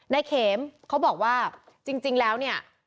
นายเขมเขาบอกว่าจริงแล้วเนี่ย